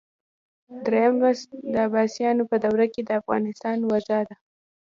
دریم لوست د عباسیانو په دوره کې د افغانستان وضع ده.